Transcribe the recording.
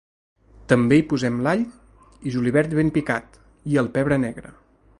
També hi posem l’all i julivert ben picat i el pebre negre.